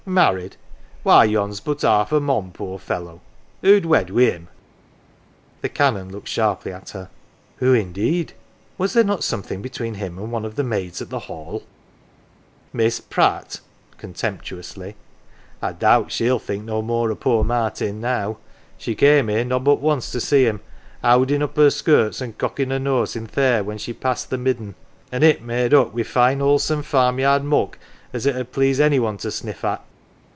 " Married ! Why yon's but half a mon, poor fellow ! Who'd wed wi' him ?" The Canon looked sharply at her. " Who indeed ? Was there not something between him and one of the maids at the Hall ?" "Miss Pratt" contemptuously. "I doubt she'll think no more o' poor Martin now. She came here nobbut once to see him, howdin' up her skirts an' 90 NANCY cockin' her nose i' th' air when she passed the midden an' it made up wi' fine wholesome farmyard muck as it 'ud please any one to sniff at.